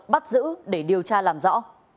bắt giữ để điều tra làm rõ